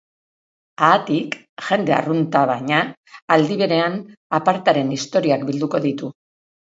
Haatik, jende arrunta baina, aldi berean, apartaren historiak bilduko ditu.